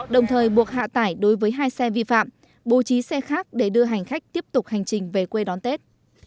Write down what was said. đồng thời buộc hạ tải đối với hai xe vi phạm bố trí xe khác để đưa hành khách tiếp tục hành trình về quê đón tết